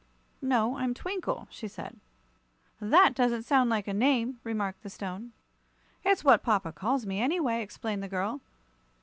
"No; I'm Twinkle," she said. "That doesn't sound like a name," remarked the Stone. "It's what papa calls me, anyway," explained the girl.